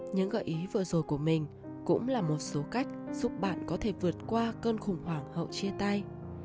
những gợi ý vừa rồi của mình cũng là một số cách giúp bạn có thể vượt qua cơn khủng hoảng hậu chia tay